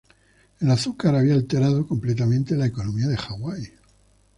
El azúcar había alterado completamente la economía de Hawái.